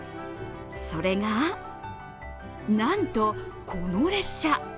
それがなんとこの列車。